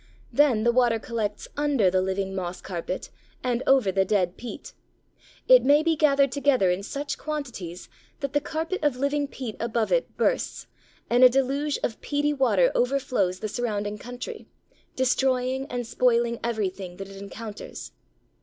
Then the water collects under the living moss carpet and over the dead peat. It may be gathered together in such quantities that the carpet of living peat above it bursts, and a deluge of peaty water overflows the surrounding country, destroying and spoiling everything that it encounters.